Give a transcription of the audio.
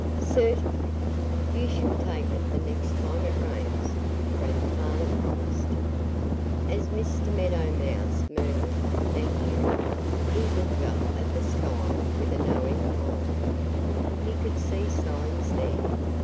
"Certainly! You shall take it the next time it rains!" Grandfather promised. As Mr. Meadow Mouse murmured, "Thank you!" he looked up at the sky with a knowing eye. He could see signs there.